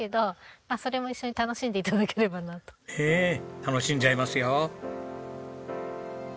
楽しんじゃいますよ。